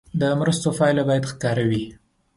د مرستو پایله باید ښکاره وي.